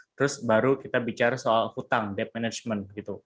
terus baru kita bicara soal hutang debt management